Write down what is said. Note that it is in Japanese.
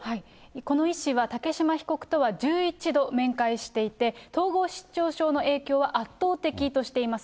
この医師は竹島被告とは１１度面会していて、統合失調症の影響は圧倒的としています。